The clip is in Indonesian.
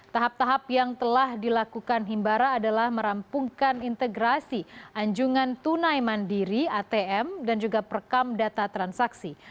tahap tahap yang telah dilakukan himbara adalah merampungkan integrasi anjungan tunai mandiri atm dan juga perekam data transaksi